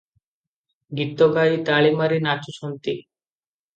ଗୀତ ଗାଇ ତାଳି ମାରି ନାଚୁଛନ୍ତି ।